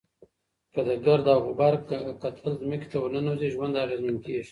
که د ګرد او غبار کتل ځمکې ته ورننوزي، ژوند اغېزمن کېږي.